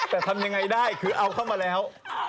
แต่ทำยังไงได้คือเอาเข้ามาแล้ว